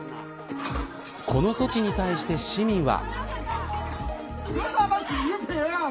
この措置に対して市民は。